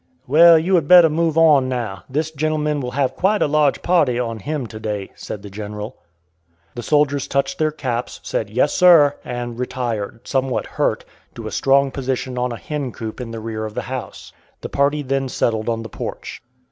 "Well, you had better move on now this gentleman will have quite a large party on him to day," said the General. The soldiers touched their caps, said "Yes, sir," and retired, somewhat hurt, to a strong position on a hencoop in the rear of the house. The party then settled on the porch.